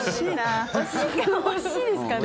惜しいですかね？